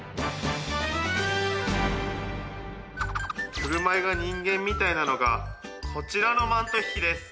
振る舞いが人間みたいなのがこちらのマントヒヒです